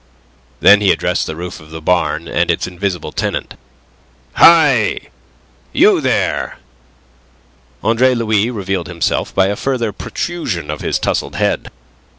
Then he addressed the roof of the barn and its invisible tenant. "Hi! You there!" Andre Louis revealed himself by a further protrusion of his tousled head.